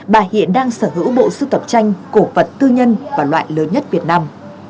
bà hiện đang sở hữu bộ sưu tập tranh cổ vật tư nhân và loại lớn nhất việt nam